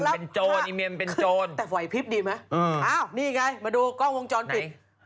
เป็นโจรอีเมียมเป็นโจรแล้วค่ะแต่ไหวพิพย์ดีไหมเอ้านี่ไงมาดูกล้องวงจรปิด